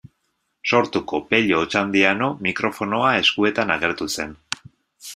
Sortuko Pello Otxandiano mikrofonoa eskuetan agertu zen.